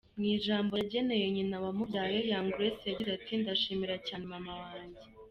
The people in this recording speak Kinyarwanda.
Mu ijambo yageneye nyina wamubyaye, Young Grace yagize ati: “Ndashimira cyaneeee mama wanjye.